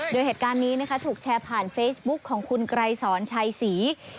โดยเหตุการณ์นี้นะคะถูกแชร์ผ่านเฟซบุ๊คของคุณไกรสอนชัยศรี